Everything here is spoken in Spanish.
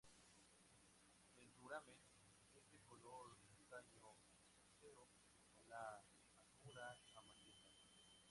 El duramen es de color castaño-rosáceo, con la albura amarillenta.